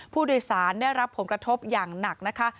ผู้โดยสารได้รับผลกระทบอย่างหนักนะคะ